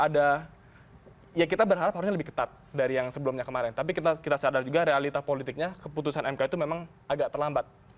jadi ya kita merasa memang ada ya kita berharap harusnya lebih ketat dari yang sebelumnya kemarin tapi kita sadar juga realita politiknya keputusan mk itu memang agak terlambat